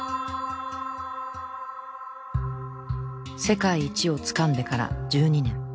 世界一をつかんでから１２年。